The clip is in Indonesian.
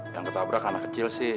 yang ketabrak anak kecil sih